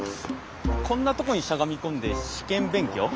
こんなとこにしゃがみ込んで試験勉強？